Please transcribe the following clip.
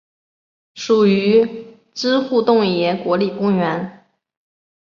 属于支笏洞爷国立公园。